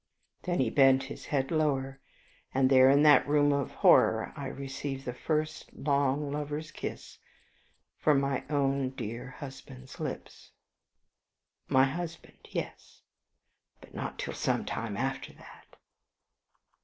Then he bent his head lower, and there in that room of horror, I received the first long lover's kiss from my own dear husband's lips. ...... My husband, yes; but not till some time after that.